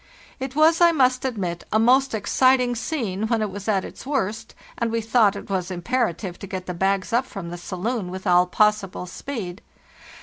"It was, I must admit, a most exciting scene when it was at its worst, and we thought it was imperative to get the bags up from the saloon with all possible speed.